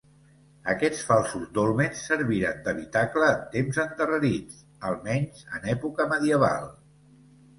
Aquests falsos dòlmens serviren d'habitacle en temps endarrerits, almenys en època medieval.